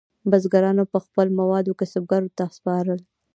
بزګرانو به خپل مواد کسبګرو ته سپارل.